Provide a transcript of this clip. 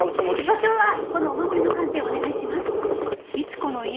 所長はこのお守りの鑑定お願いします。